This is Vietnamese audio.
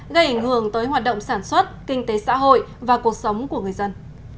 gây ảnh hưởng tới hoạt động sản xuất kinh tế xã hội và cuộc sống của người dân